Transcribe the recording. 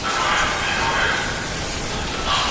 یو ځل بیا له خپل دښمنه په امان سو